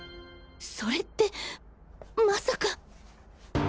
それってまさか。